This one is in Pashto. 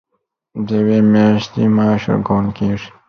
د یوې میاشتې معاش ورکول کېږي.